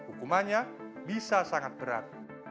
hukumannya bisa sangat berat